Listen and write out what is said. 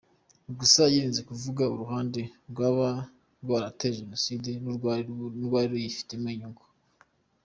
Gusa yirinze kuvuga uruhande rwaba rwarateje jenoside n’urwari ruyifitemo inyungu.